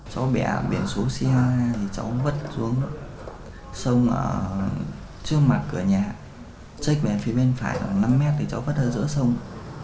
cháu bẻ biển xuống xe cháu vất xuống sông trước mặt cửa nhà trách về phía bên phải năm m thì cháu vất ở giữa sông